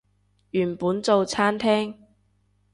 原本做餐廳